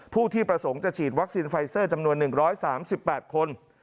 ผู้ที่ประสงค์จะฉีดวัคซีนไฟเซอร์จำนวน๑๓๘คน